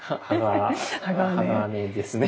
鋼ですね。